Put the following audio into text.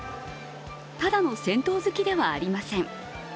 ただの銭湯好きではありません。